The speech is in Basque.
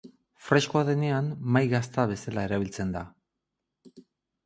Freskoa denean mahai gazta bezala erabiltzen da.